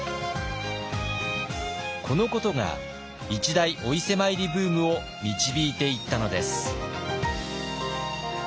このことが一大お伊勢参りブームを導いていったのです。